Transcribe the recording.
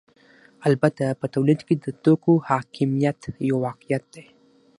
البته په تولید کې د توکو حاکمیت یو واقعیت دی